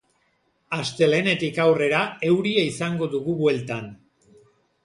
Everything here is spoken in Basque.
Astelehenetik aurrera, euria izango dugu bueltan.